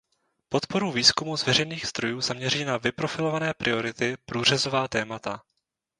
Podporu výzkumu z veřejných zdrojů zaměří na vyprofilované priority, průřezová témata.